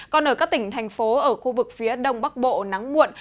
còn ở các tỉnh thành phố ở khu vực phía đông bắc bộ nắng muộn